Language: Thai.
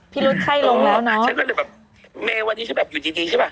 พี่รูสไข้ลงแล้วเนอะวันนี้ฉันแบบอยู่ดีใช่ปะ